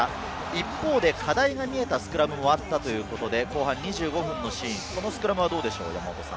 一方で課題が見えたスクラムもあったということで後半２５分のシーン、このスクラムはどうでしょう。